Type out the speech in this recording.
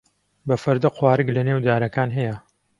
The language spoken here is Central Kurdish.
بە فەردە قوارگ لەنێو دارەکان هەیە.